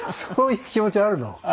そういう気持ちあるの？